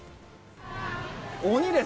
鬼です。